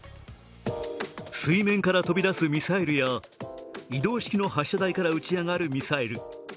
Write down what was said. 水面から飛び出すミサイルや移動式の発射台から打ち上がるミサイル。